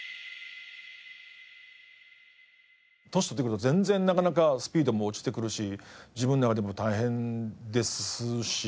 年取ってくると全然なかなかスピードも落ちてくるし自分の中でも大変ですし。